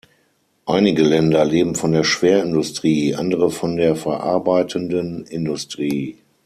Einige Länder leben von der Schwerindustrie, andere von der verarbeitenden Industrie.